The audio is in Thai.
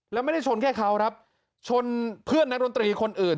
แล้วไม่ได้ชนแค่เขาครับชนเพื่อนนักดนตรีคนอื่น